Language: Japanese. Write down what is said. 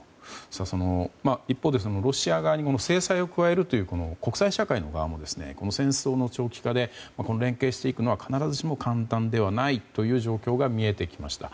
一方でロシア側に制裁を加えるという国際社会の側も戦争の長期化で連携していくのは必ずしも簡単ではないという状況が見えてきました。